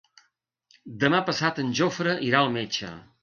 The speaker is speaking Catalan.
Demà passat en Jofre irà al metge.